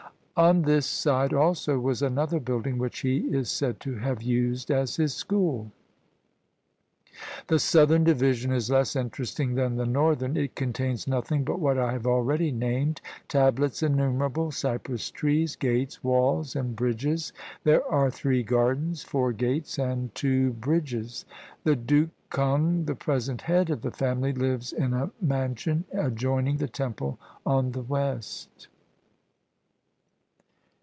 On this side also was another building which he is said to have used as his school. The southern division is less interesting than the northern. It contains nothing but what I have already named: tablets innumerable, cypress trees, gates, walls, and bridges; there are three gardens, four gates, and two bridges. The Duke Kung, the present head of the family, lives in a mansion adjoining the temple on the west.